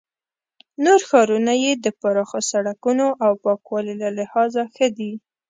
نور ښارونه یې د پراخو سړکونو او پاکوالي له لحاظه ښه دي.